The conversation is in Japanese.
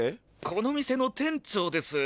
この店の店長です。